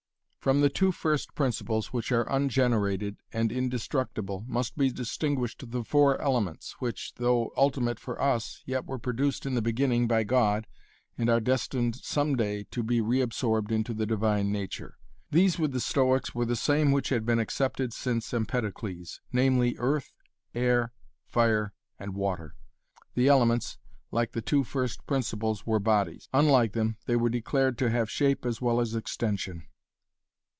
From the two first principles which are ungenerated and indestructible must be distinguished the four elements which, though ultimate for us, yet were produced in the beginning by God and are destined some day to be reabsorbed into the divine nature. These with the Stoics were the same which had been accepted since Empedocles namely earth, air, fire and water. The elements, like the two first principles were bodies; unlike them, they were declared to have shape as well as extension.